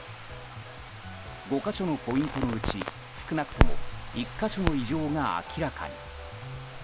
５か所のポイントのうち少なくとも１か所の異常が明らかに。